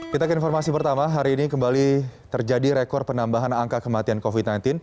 kita ke informasi pertama hari ini kembali terjadi rekor penambahan angka kematian covid sembilan belas